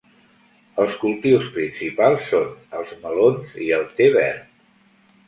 Els cultius principals són els melons i el té verd.